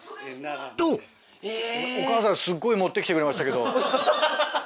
お母さんすっごい持ってきてくれましたけど。